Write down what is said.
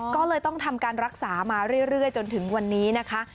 ก็เลยต้องทำการรักษามาเรื่อยจนถึงวันนี้นะคะ